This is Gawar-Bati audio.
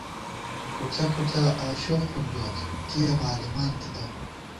کُڅہ کُڅا آشوخ پُنزوت ، کِیَہ بالِمان تِتہ